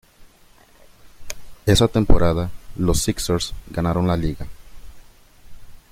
Esa temporada, los sixers ganaron la liga.